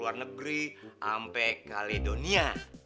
luar negeri ampe kaledonia